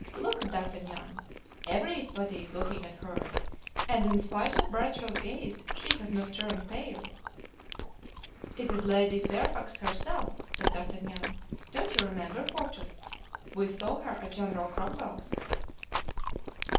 Look D'Artagnan; everybody is looking at her; and in spite of Bradshaw's gaze she has not turned pale." "It is Lady Fairfax herself," said D'Artagnan. "Don't you remember, Porthos, we saw her at General Cromwell's?"